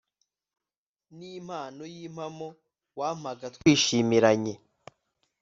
ni impano y'impamo wampaga twishimiranye